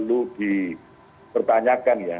itu dipertanyakan ya